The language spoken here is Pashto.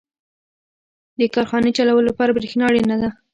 • د کارخانې چلولو لپاره برېښنا اړینه ده.